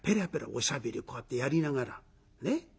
おしゃべりをこうやってやりながらね？